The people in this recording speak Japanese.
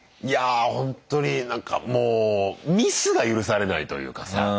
いやほんとになんかもうミスが許されないというかさ。